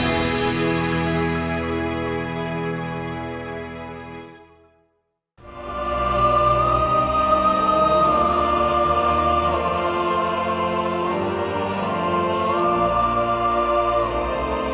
bahwa dia merupakan tuhan yang dipercaya